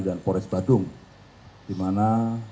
dan forest badung dimana